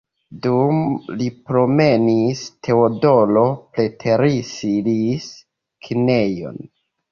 Dum li promenis, Teodoro preteriris kinejon.